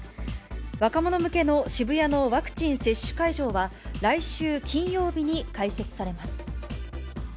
若者向けの渋谷のワクチン接種会場は、来週金曜日に開設されます。